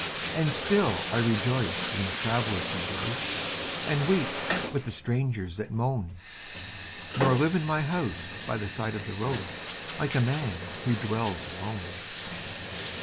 And still I rejoice when the travelers rejoice And weep with the strangers that moan, Nor live in my house by the side of the road Like a man who dwells alone.